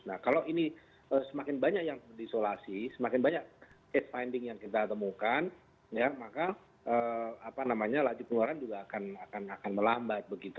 nah kalau ini semakin banyak yang diisolasi semakin banyak case finding yang kita temukan maka apa namanya lantai pengeluaran juga akan melambat